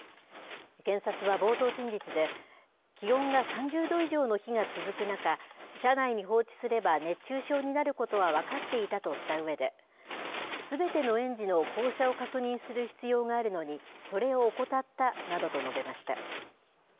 検察は冒頭陳述で、気温が３０度以上の日が続く中、車内に放置すれば熱中症になることは分かっていたとしたうえで、すべての園児の降車を確認する必要があるのに、それを怠ったなどと述べました。